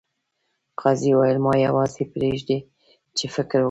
قاضي وویل ما یوازې پریږدئ چې فکر وکړم.